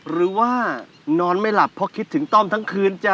หรือว่านอนไม่หลับเพราะคิดถึงต้อมทั้งคืนจ้ะ